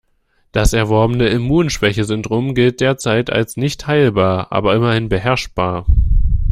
Das erworbene Immunschwächesyndrom gilt derzeit als nicht heilbar, aber immerhin beherrschbar.